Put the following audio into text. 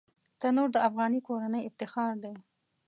تنور د افغاني کورنۍ افتخار دی